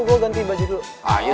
gue ganti baju dulu